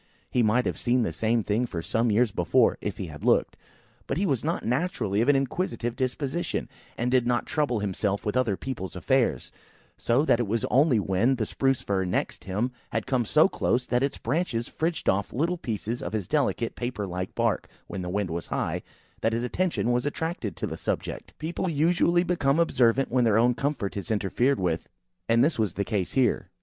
He might have seen the same thing for some years before, if he had looked; but he was not naturally of an inquisitive disposition, and did not trouble himself with other people's affairs: so that it was only when the Spruce fir next him had come so close that its branches fridged off little pieces of his delicate paper like bark, when the wind was high, that his attention was attracted to the subject. People usually become observant when their own comfort is interfered with, and this was the case here.